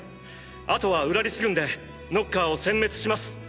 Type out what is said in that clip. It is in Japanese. あとはウラリス軍でノッカーを殲滅します。